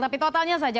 tapi totalnya saja